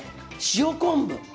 塩昆布。